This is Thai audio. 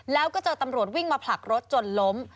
แล้วก็เจอตำรวจวิ่งมาผลักรถจนล้ม